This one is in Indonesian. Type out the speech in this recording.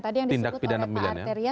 tindak pidana pemilihan ya